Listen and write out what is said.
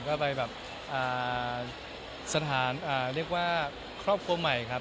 ก็ไปแบบสถานเรียกว่าครอบครัวใหม่ครับ